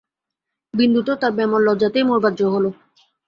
বিন্দু তো তার ব্যামোর লজ্জাতেই মরবার জো হল।